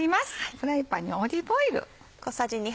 フライパンにオリーブオイル。